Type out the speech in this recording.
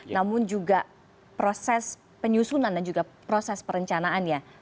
namun juga proses penyusunan dan juga proses perencanaan ya